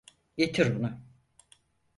Getir onu.